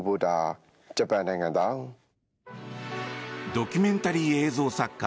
ドキュメンタリー映像作家